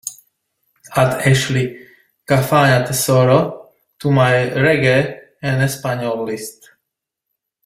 Add Ashley Cafagna Tesoro to my reggae en español list